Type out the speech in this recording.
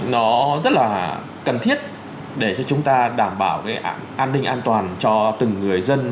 nó rất là cần thiết để cho chúng ta đảm bảo cái an ninh an toàn cho từng người dân